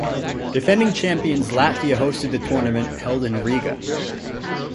Defending champions Latvia hosted the tournament, held in Riga.